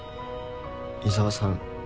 伊沢さん